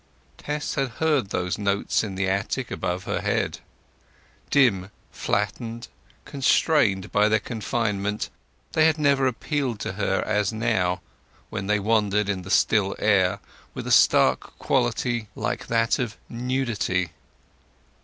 Tess had heard those notes in the attic above her head. Dim, flattened, constrained by their confinement, they had never appealed to her as now, when they wandered in the still air with a stark quality like that of nudity.